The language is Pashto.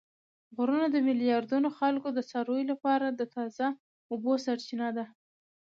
غرونه د میلیاردونو خلکو او څارویو لپاره د تازه اوبو سرچینه ده